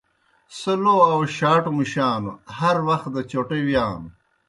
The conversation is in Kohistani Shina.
سہ لو آؤشاٹوْ مُشانوْ ہر وخ دہ چوٹہ وِیانوْ۔